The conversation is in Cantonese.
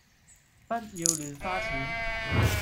不要亂花錢